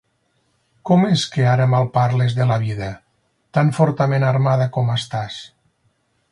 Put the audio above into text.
Com és que ara malparles de la vida, tan fortament armada com estàs?